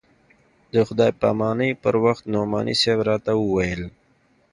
د خداى پاماني پر وخت نعماني صاحب راته وويل.